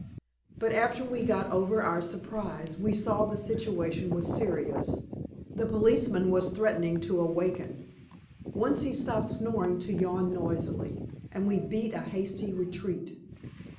But after we got over our surprise, we saw the situation was serious. The policeman was threatening to awaken. Once he stopped snoring to yawn noisily, and we beat a hasty retreat.